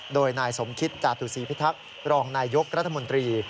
โดยนายสมคิตจาตุศีพิทักษ์รองนายยกรัฐมนตรี